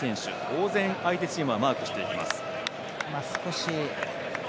当然、相手チームはマークしていきます。